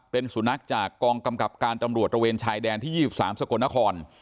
เป็นสุนัขจากกองกำกับการตำรวจระเวนชายแดนที่๒๓สกลนคร